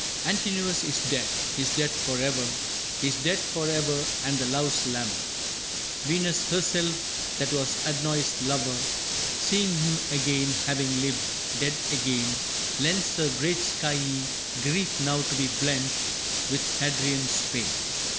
Antinous is dead, is dead forever, Is dead forever and the loves lament. Venus herself, that was Adonis' lover, Seeing him again, having lived, dead again, Lends her great skyey grief now to be blent With Hadrian's pain.